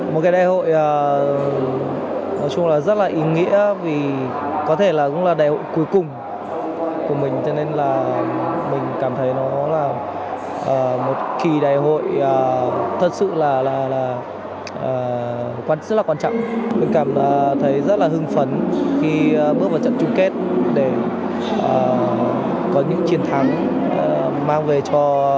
một cái đại hội nói chung là rất là ý nghĩa vì có thể cũng là đại hội cuối cùng của mình